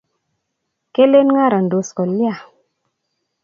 kelen ngarandos kolya?